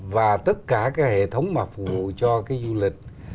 và tất cả cái hệ thống mà phục vụ cho cái du lịch